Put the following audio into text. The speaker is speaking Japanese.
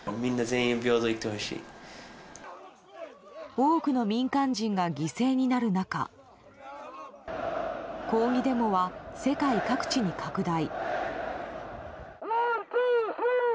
多くの民間人が犠牲になる中抗議デモは世界各地に拡大。